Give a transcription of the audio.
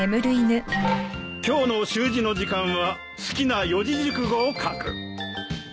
今日の習字の時間は好きな四字熟語を書く。